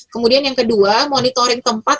kemudian yang kedua monitoring tempat